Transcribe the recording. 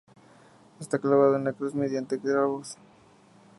Está clavado en la cruz mediante tres clavos.